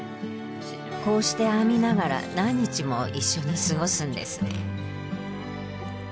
こうして編みながら何日も一緒にすごすんです